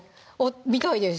みたいです